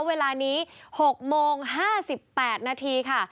เวลานี้๖โมง๕๘นาทีค่ะ